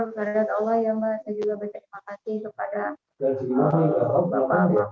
alhamdulillah saya juga banyak terima kasih kepada